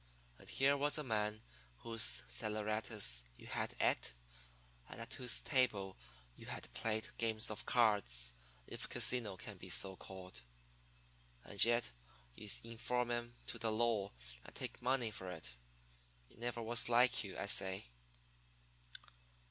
And here was a man whose saleratus you had et and at whose table you had played games of cards if casino can be so called. And yet you inform him to the law and take money for it. It never was like you, I say."